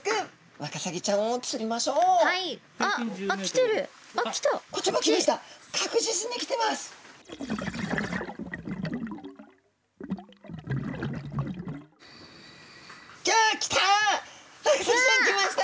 ワカサギちゃんきました。